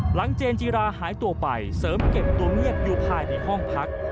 เจนจิราหายตัวไปเสริมเก็บตัวเงียบอยู่ภายในห้องพัก